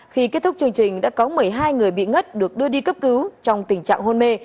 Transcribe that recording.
khi kết thúc chương trình đã có một mươi hai người bị ngất được đưa đi cấp cứu trong tình trạng hôn mê